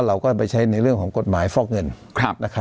เราก็ไปใช้ในเรื่องของกฎหมายฟอกเงิน